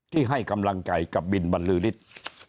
ที่ให้กำลังใจกับบินบรรลือฤทธิ์